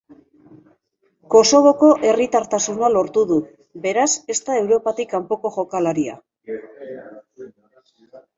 Kosovoko herritartasuna lortu du, beraz ez da Europatik kanpoko jokalaria.